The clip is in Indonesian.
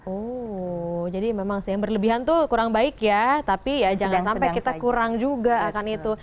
oh jadi memang sih yang berlebihan tuh kurang baik ya tapi ya jangan sampai kita kurang juga akan itu